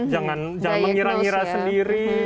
jangan mengira ngira sendiri